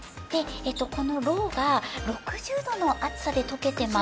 このろうが６０どのあつさでとけてます。